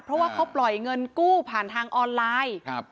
เพราะว่าเขาปล่อยเงินกู้ผ่านทางออนไลน์